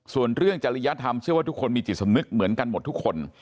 ส่วนเรื่องจริยธรรมเชื่อว่าทุกคนมีจิตสำนึกเหมือนกันหมดทุกคน